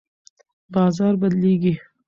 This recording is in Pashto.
بازار بدلیږي.